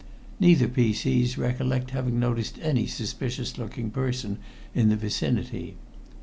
Neither P.C.'s recollect having noticed any suspicious looking person in the vicinity.